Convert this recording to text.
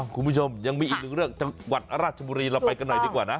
คุณผู้ชมยังมีอีกหนึ่งเรื่องจังหวัดราชบุรีเราไปกันหน่อยดีกว่านะ